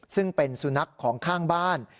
ซึ่งเป็นสุนัขของข้างบ้าน